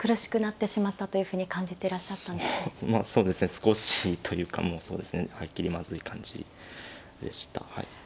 少しというかもうそうですねはっきりまずい感じでしたはい。